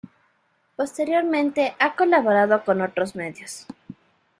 Posteriormente ha colaborado con otros medios.